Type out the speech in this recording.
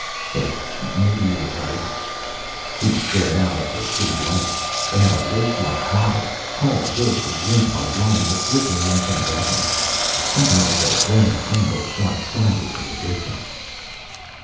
"But maybe you're right." He stared out at the city lights. They had a lacelike quality: tall buildings linked by lines of flickering incandescence. Something like a Roman candle shot skyward in the distance.